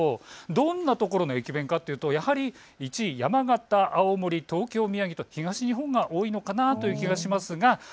どんなところの駅弁かというと１位、山形、青森、東京と東日本が多いという気がします。